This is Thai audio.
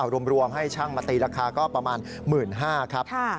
รวมให้ช่างมาตีราคาก็ประมาณ๑๕๐๐บาทครับ